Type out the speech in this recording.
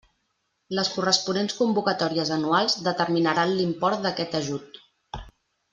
Les corresponents convocatòries anuals determinaran l'import d'aquest ajut.